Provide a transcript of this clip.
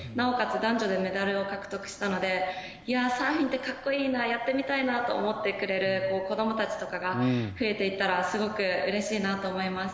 男女でメダルを獲得したのでサーフィンってかっこいいなやってみたいなと思ってくれる子どもたちとかが増えていったらすごくうれしいなと思います。